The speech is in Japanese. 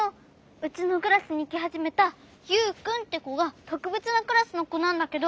うちのクラスにきはじめたユウくんってこがとくべつなクラスのこなんだけど。